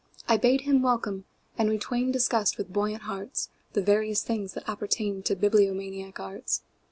I bade him welcome, and we twainDiscussed with buoyant heartsThe various things that appertainTo bibliomaniac arts.